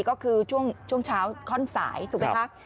ก็คือช่วงเช้าข้อนสายถูกไหมคะ